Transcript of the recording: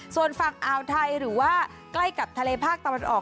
ส่วนฝั่งอ่าวไทยหรือว่าใกล้กับทะเลภาคตะวันออก